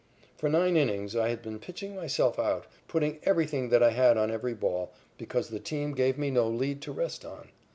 For nine innings I had been pitching myself out, putting everything that I had on every ball, because the team gave me no lead to rest on.